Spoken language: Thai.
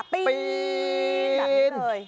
ปีนแบบนี้เลย